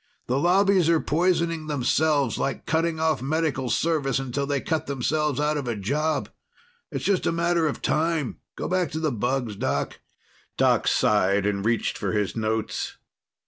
The Lobbies are poisoning themselves, like cutting off Medical service until they cut themselves out of a job. It's just a matter of time. Go back to the bugs, Doc." Doc sighed and reached for his notes.